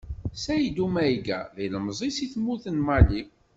Ṣayddu Mayga d ilemzi seg tmurt n Mali.